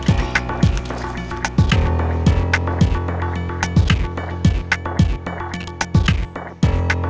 ini yang kita inginkan